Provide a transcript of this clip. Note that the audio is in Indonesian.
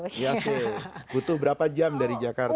iya betul butuh berapa jam dari jakarta